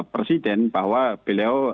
presiden bahwa beliau